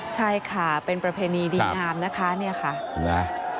ใช่ค่ะเป็นประเพณีดีนามนะคะ